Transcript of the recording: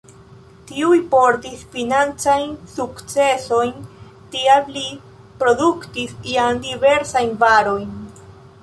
Tiuj portis financajn sukcesojn, tial li produktis jam diversajn varojn.